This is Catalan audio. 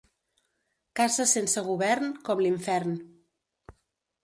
Casa sense govern, com l'infern.